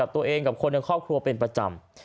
ตัวเองกับคนของครอบครัวประจำ